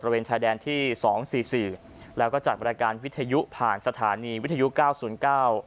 บริเวณชายแดนที่สองสี่สี่แล้วก็จัดบริการวิทยุผ่านสถานีวิทยุเก้าศูนย์เก้า